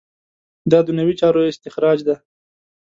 دا دنیوي چارو استخراج ده.